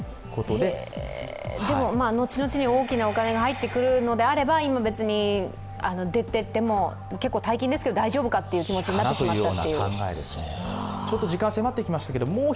でも後々に大きなお金が入ってくるのであれば今、別に出ていっても結構大金ですけど大丈夫かという気持ちになってしまったという。